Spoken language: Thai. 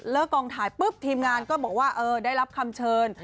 กองถ่ายปุ๊บทีมงานก็บอกว่าเออได้รับคำเชิญ